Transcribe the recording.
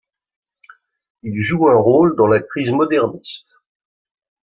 Il joue un rôle dans la crise moderniste.